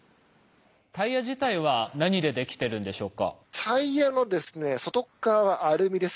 タイヤ自体は何でできてるんでしょうか？